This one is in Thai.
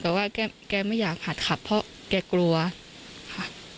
แต่ว่าแกไม่อยากหัดขับเพราะแกกลัวค่ะ